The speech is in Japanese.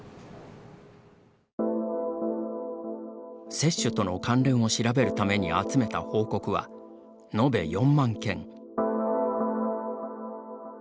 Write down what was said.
接種との関連を調べるために集めた報告は、延べ４万件。